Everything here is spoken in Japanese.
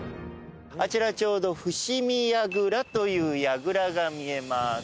あちらちょうど伏見櫓というやぐらが見えます。